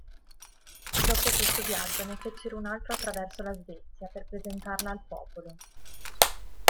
Dopo questo viaggio ne fecero un altro attraverso la Svezia per presentarla al popolo.